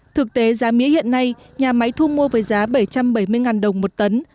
thực tế giá mía hiện nay nhà máy thu mua với giá bảy trăm bảy mươi đồng một tấn